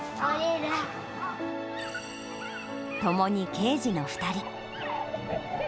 ともに刑事の２人。